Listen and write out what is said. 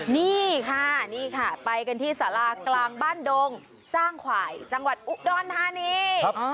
นี่ค่ะนี่ค่ะไปกันที่สารากลางบ้านดงสร้างขวายจังหวัดอุดรธานี